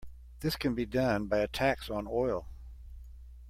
This can be done by a tax on oil.